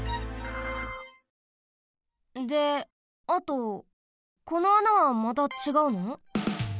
であとこの穴はまたちがうの？